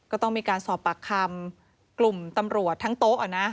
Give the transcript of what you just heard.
ก็ต้องมีการสอบปากคำกลุ่มตำรวจทั้งโต๊ะ